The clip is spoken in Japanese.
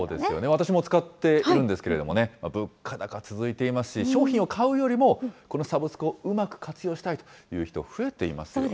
私も使っているんですけれどもね、物価高続いていますし、商品を買うよりも、このサブスクをうまく活用したいという人、増えていますよね。